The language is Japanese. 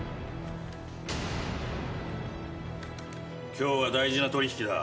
今日は大事な取引だ。